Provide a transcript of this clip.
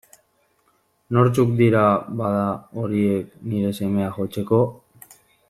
Nortzuk dira, bada, horiek, nire semea jotzeko?